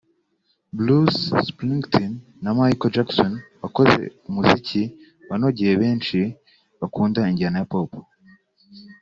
Bruce Springsteen na Michael Jackson wakoze umuziki wanogeye benshi bakunda injyana ya Pop